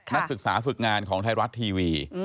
นักศึกษาฝึกงานของไทยรัฐทีวี